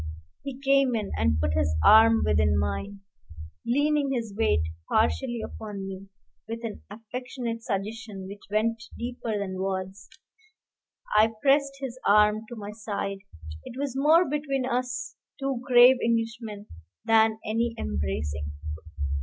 He came in and put his arm within mine, leaning his weight partially upon me, with an affectionate suggestion which went deeper than words. I pressed his arm to my side: it was more between us two grave Englishmen than any embracing.